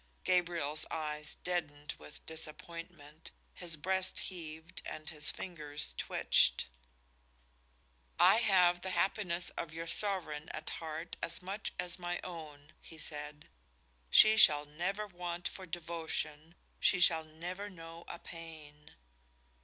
Gabriel's eyes deadened with disappointment, his breast heaved and his fingers twitched. "I have the happiness of your Sovereign at heart as much as my own," he said. "She shall never want for devotion, she shall never know a pain."